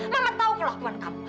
mama tau kelakuan kamu